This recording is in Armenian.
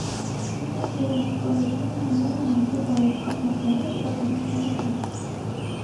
Ինքնավերահսկողությունը հենվում է անձի բարոյական նորմերի ու չափանիշների վրա։